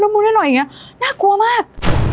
ทำบุญให้หน่อยอย่างเงี้ยน่ากลัวมาก